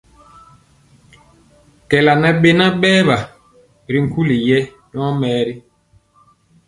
Kɛɛla ŋɛ beŋa berwa ri nkuli yɛɛ yomɛɛri.